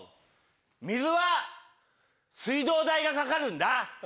水は水道代がかかるんだ。